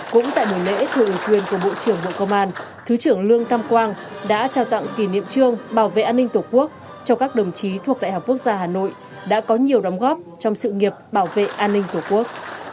cũng tại buổi lễ thừa ủy quyền của bộ trưởng bộ công an thứ trưởng lương tam quang đã trao tặng kỷ niệm trương bảo vệ an ninh tổ quốc cho các đồng chí thuộc đại học quốc gia hà nội đã có nhiều đóng góp trong sự nghiệp bảo vệ an ninh tổ quốc